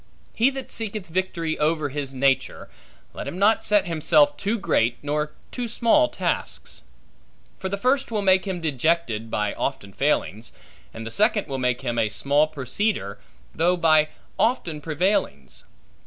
He that seeketh victory over his nature, let him not set himself too great, nor too small tasks; for the first will make him dejected by often failings; and the second will make him a small proceeder, though by often prevailings.